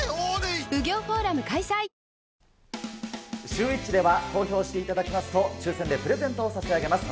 シューＷｈｉｃｈでは、投票していただきますと、抽せんでプレゼントを差し上げます。